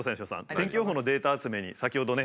天気予報のデータ集めに先ほどね